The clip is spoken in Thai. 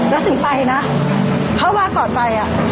แล้วถึงไปนะเพราะว่าก่อนไปอ่ะ